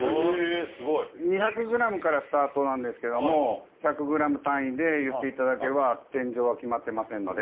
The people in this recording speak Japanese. ２００グラムからスタートなんですけども１００グラム単位で言って頂ければ天井は決まってませんので。